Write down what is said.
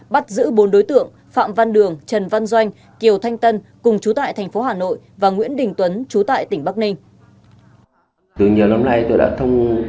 bắt giữ bốn đối tượng phạm văn đường trần văn doanh kiều thanh tân cùng chú tại thành phố hà nội và nguyễn đình tuấn chú tại tỉnh bắc ninh